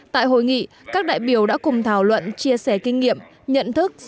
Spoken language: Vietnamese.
tại hội nghị các đại biểu đã cùng thảo luận chia sẻ kinh nghiệm nhận thức